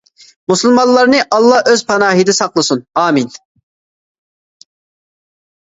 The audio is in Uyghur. مۇسۇلمانلارنى ئاللا ئۆز پاناھىدا ساقلىسۇن، ئامىن!